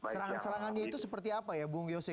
serangan serangannya itu seperti apa ya bung yose